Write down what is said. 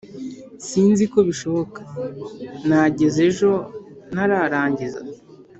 sinziko bishoboka nageza ejo ntararangiza